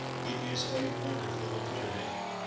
It is a wonderful epitome.